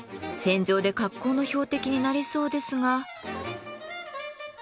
戦場で格好の標的になりそうですが。